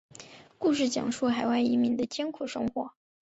故事讲述海外移民的艰苦生活。